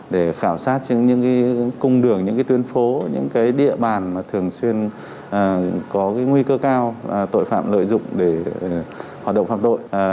để khảo sát trên những cung đường những tuyến phố những địa bàn mà thường xuyên có nguy cơ cao tội phạm lợi dụng để hoạt động phạm tội